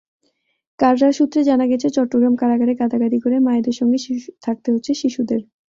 কারা সূত্রে জানা গেছে, চট্টগ্রাম কারাগারে গাদাগাদি করে মায়েদের সঙ্গে থাকতে হচ্ছে শিশুদের।